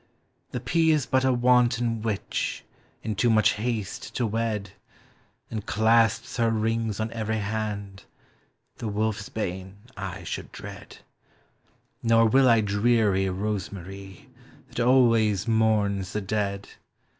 The pea is but a wanton witch, In too much haste to wed, And clasps her rings on every hand; The wolfsbane I should dread ; Nor will I dreary rosemarye, That always mourns the dead; TREES: FLOWERS: PLANTS.